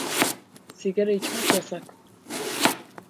Sigara içmek yasak.